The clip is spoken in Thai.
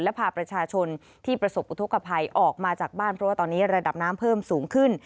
และพาประชาชนที่ประสบอุทธกภัยออกมาจากบ้านเพราะว่าตอนนี้ระดับน้ำเพิ่มสูงขึ้น